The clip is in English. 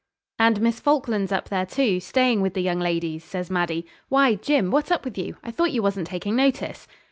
'And Miss Falkland's up there too, staying with the young ladies,' says Maddie. 'Why, Jim, what's up with you? I thought you wasn't taking notice.'